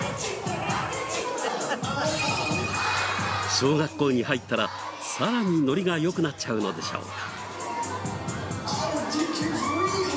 小学校に入ったらさらにノリが良くなっちゃうのでしょうか。